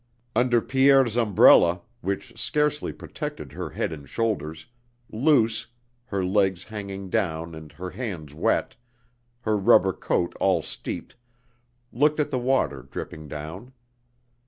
Under Pierre's umbrella, which scarcely protected her head and shoulders, Luce, her legs hanging down and her hands wet, her rubber coat all steeped, looked at the water dripping down.